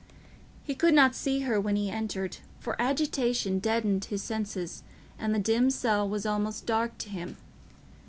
He could not see her when he entered, for agitation deadened his senses, and the dim cell was almost dark to him.